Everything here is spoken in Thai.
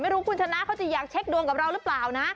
ไม่รู้คุณชนะเขาจะอยากเช็คดวงกับเราหรือเปล่านะ